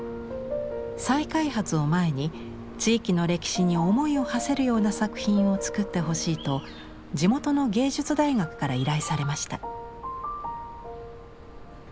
再開発を前に地域の歴史に思いをはせるような作品を作ってほしいと地元の芸術大学から依頼されました。